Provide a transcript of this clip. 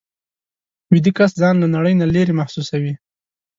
ویده کس ځان له نړۍ نه لېرې محسوسوي